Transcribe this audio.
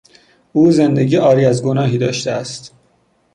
او زندگی عاری از گناهی داشته است.